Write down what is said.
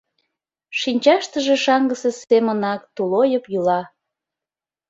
Шинчаштыже шаҥгысе семынак тулойып йӱла.